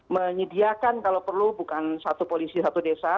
menyediakan kalau perlu bukan satu polisi satu desa